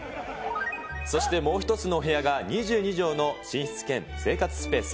そしてもう一つのお部屋が２２畳の寝室兼生活スペース。